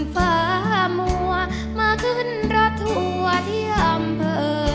ฟ้ามัวมาขึ้นรถทัวร์ที่อำเภอ